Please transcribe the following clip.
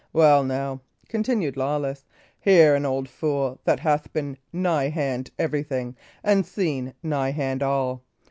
"Well, now," continued Lawless, "hear an old fool that hath been nigh hand everything, and seen nigh hand all!